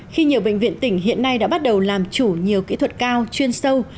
khi nhiều bệnh viện tỉnh hiện nay đã bắt đầu làm chủ nhiều kỹ thuật cao chuyên sâu